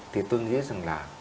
thì tôi nghĩ rằng là